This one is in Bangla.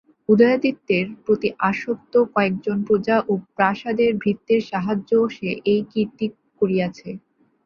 উদয়াদিত্যের প্রতি আসক্ত কয়েকজন প্রজা ও প্রাসাদের ভৃত্যের সাহায্য সে এই কীর্তি করিয়াছে।